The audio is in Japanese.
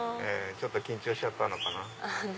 ちょっと緊張しちゃったのかな。